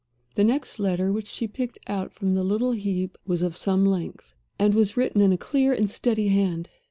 The next letter which she picked out from the little heap was of some length, and was written in a clear and steady hand.